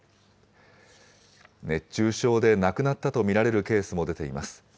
熱中症で亡くなったと見られるケースも出ています。